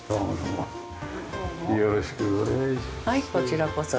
はいこちらこそ。